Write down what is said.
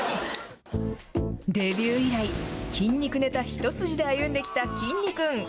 デビュー以来、筋肉ネタ一筋で歩んできたきんに君。